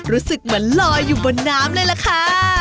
รู้สึกเหมือนลอยอยู่บนน้ำเลยล่ะค่ะ